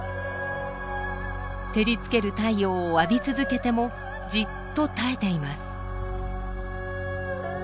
照りつける太陽を浴び続けてもじっと耐えています。